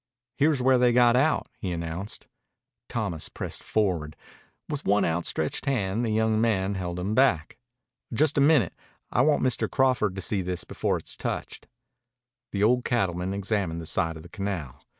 "Here's where they got out," he announced. Thomas pressed forward. With one outstretched hand the young man held him back. "Just a minute. I want Mr. Crawford to see this before it's touched." The old cattleman examined the side of the canal.